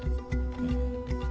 うん。